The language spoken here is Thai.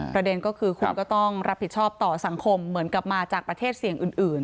ประเด็นก็คือคุณก็ต้องรับผิดชอบต่อสังคมเหมือนกลับมาจากประเทศเสี่ยงอื่น